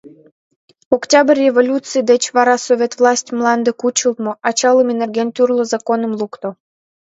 Октябрь революций деч вара совет власть мланде кучылтмо, ачалыме нерген тӱрлӧ законым лукто.